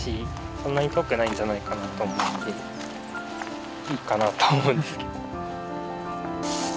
そんなに遠くないんじゃないかなと思うんでいいかなと思うんですけど。